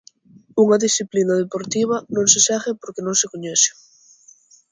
Unha disciplina deportiva non se segue porque non se coñece.